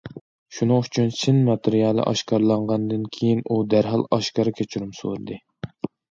شۇنىڭ ئۈچۈن سىن ماتېرىيالى ئاشكارىلانغاندىن كېيىن، ئۇ دەرھال ئاشكارا كەچۈرۈم سورىدى.